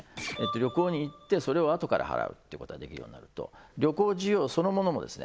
旅行に行ってそれを後から払うってことができるようになると旅行需要そのものもですね